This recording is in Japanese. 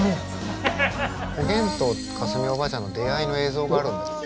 おげんと架純おばあちゃんの出会いの映像があるんだけど。